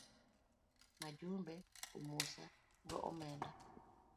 Mujumbe omosa go omenda.